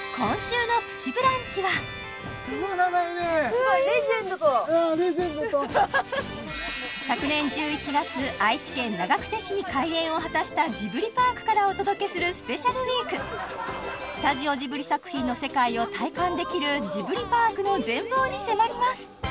すごいレジェンドとうんレジェンドと昨年１１月愛知県長久手市に開園を果たしたジブリパークからお届けするスペシャルウィークスタジオジブリ作品の世界を体感できるジブリパークの全貌に迫ります